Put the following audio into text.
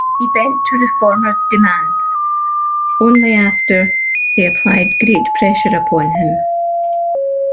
He bent to reformers' demands only after they applied great pressure upon him.